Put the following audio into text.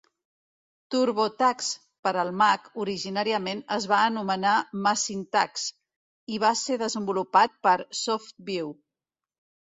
TurboTax per al Mac originalment es va anomenar MacinTax, i va ser desenvolupat per SoftView.